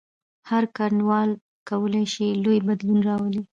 هر ګډونوال کولای شي لوی بدلون راولي.